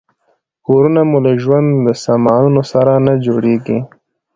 کورونه مو له ژوند له سامانونو سره نه جوړیږي.